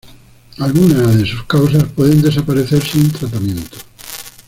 Algunas de sus causas pueden desaparecer sin tratamiento.